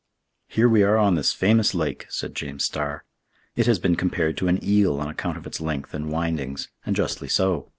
"Here we are on this famous lake," said James Starr. "It has been compared to an eel on account of its length and windings: and justly so.